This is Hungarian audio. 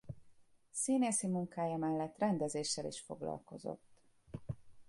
Színészi munkája mellett rendezéssel is foglalkozott.